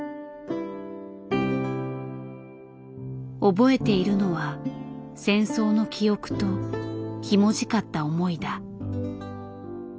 覚えているのは戦争の記憶とひもじかった思いだ。